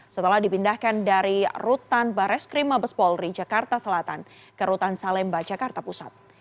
setelah dipindahkan dari rutan bareskrim mabespolri jakarta selatan ke rutan salemba jakarta pusat